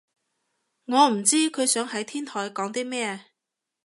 我唔知佢想喺天台講啲咩